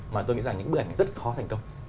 mà tôi nghĩ rằng những bức ảnh rất khó thành công